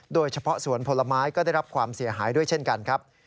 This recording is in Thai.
โดยเฉพาะสวนผลไม้ก็ได้รับความเสียหายด้วยเช่นกันครับ